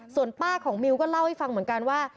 ส่วนป้าของมิวก็เล่าให้ฟังเหมือนกันว่า